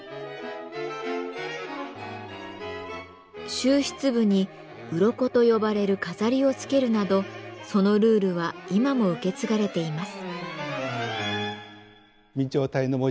終筆部に「鱗」と呼ばれる飾りをつけるなどそのルールは今も受け継がれています。